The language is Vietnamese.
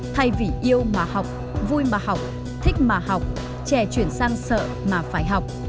thay vì yêu mà học vui mà học thích mà học trẻ chuyển sang sợ mà phải học